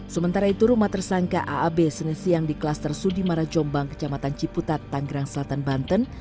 sementara itu rumah tersangka aab senin siang di klaster sudimara jombang kecamatan ciputat tanggerang selatan banten